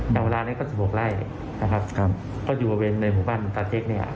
ยางพารานี้ก็๑๖ไร่นะครับก็อยู่บริเวณในหมู่บ้านมอเตอร์เจ็คเนี่ย